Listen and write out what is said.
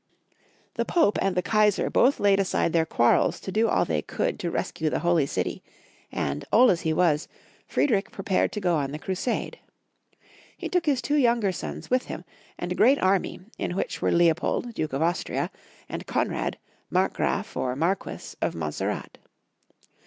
The Pope and the Kaisar both laid aside their quarrels to do all they could to rescue the Holy City, and, old as he was, Friedrich prepared to go on the crusade. He took his two younger sons with him, and a great army, in which were Leopold, Duke of Austria, and Konrad, Markgraf or Mar quess of Monserrat.